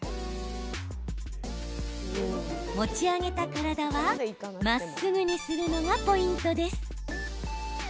持ち上げた体はまっすぐにするのがポイントです。